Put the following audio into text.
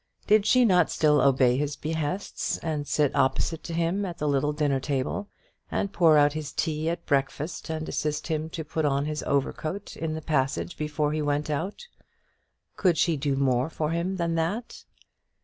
Did she not still obey his behests, and sit opposite to him at the little dinner table, and pour out his tea at breakfast, and assist him to put on his overcoat in the passage before he went out? Could she do more for him than that?